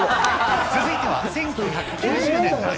続いては１９９０年代。